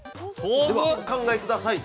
では、お考えください。